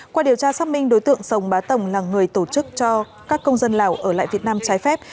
qua điều tra xác minh đối tượng sông ba tổng là người tổ chức cho các công dân lào ở lại việt nam chai phép